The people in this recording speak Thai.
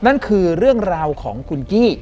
นั่นคือเรื่องราวของคุณกี้